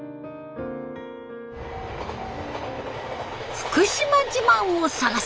福島自慢を探す